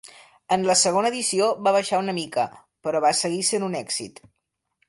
En la segona edició va baixar una mica però va seguir sent un èxit.